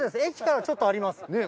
駅からちょっとあります。